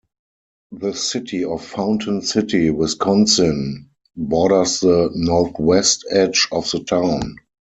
The city of Fountain City, Wisconsin, borders the northwest edge of the town.